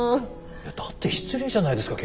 だって失礼じゃないですか。